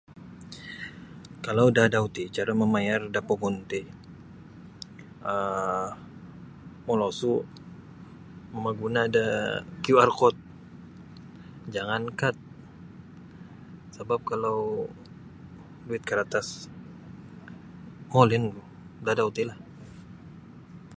Kalau da adau ti cara mamayar da pogun ti um molosu' mamaguna' da QR kot jangan kat sebap kalau duit karatas molin da adau tilah .